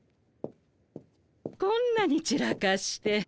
こんなにちらかして。